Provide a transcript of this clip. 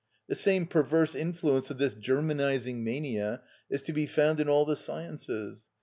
The same perverse influence of this Germanising mania is to be found in all the sciences.